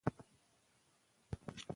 که نجونې زدهکړه ونکړي، ټولنه زیانمنه کېږي.